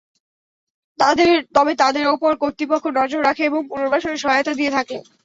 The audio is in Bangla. তবে তাঁদের ওপর কর্তৃপক্ষ নজর রাখে এবং পুনর্বাসনে সহায়তা দিয়ে থাকে।